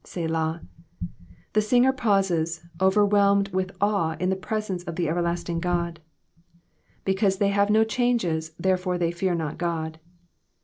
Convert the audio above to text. '^^Selah,''* The singer pauses, overwhelmed with awe in the presence of the everlasting God. ^^ Because they have no changes^ therefore they fear not Ood.'